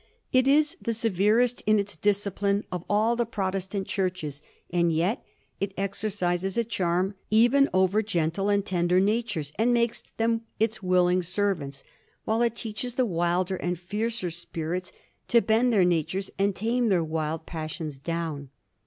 It is the severest in 144 A HISTORY OF THE FOUR OEORGEa ch. xzx. its discipline of all the Protestant churches, and yet it ex ercises a charm even over gentle and tender natures, and makes them its willing servants, while it teaches the wilder and fiercer spirits to bend their natures and tame their wild passions down.